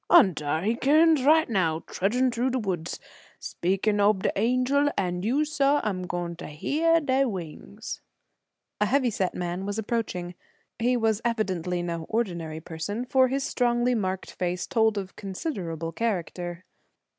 "An' dar he kirns right now, trudgin' through de woods. Speakin' ob an angel an' yuh suah am gwine tuh heah dey wings." A heavy set man was approaching. He was evidently no ordinary person, for his strongly marked face told of considerable character.